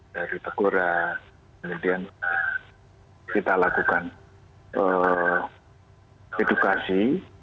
dari teguran kemudian kita lakukan edukasi